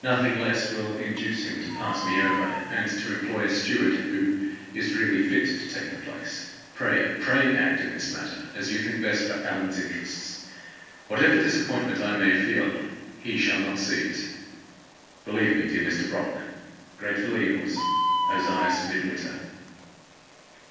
Nothing less will induce him to pass me over, and to employ a steward who is really fit to take the place. Pray, pray act in this matter as you think best for Allan's interests. Whatever disappointment I may feel, he shall not see it. "Believe me, dear Mr. Brock, "Gratefuly yours, "OZIAS MIDWINTER.